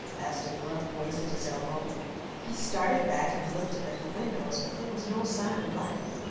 asked a gruff voice at his elbow. He started back and looked up at the windows, but there was no sign of life.